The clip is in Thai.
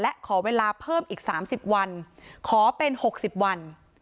และขอเวลาเพิ่มอีก๓๐วันขอเป็น๖๐วัน